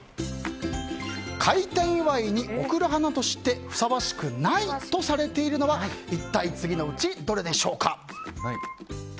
開店祝いに贈る花としてふさわしくないとされているのは一体、次のうちどれでしょうか。